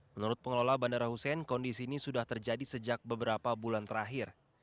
menurut pengelola bandara hussein kondisi ini sudah terjadi sejak beberapa bulan terakhir